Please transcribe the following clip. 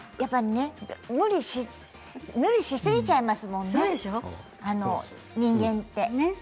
無理しすぎちゃいますもんね人間って。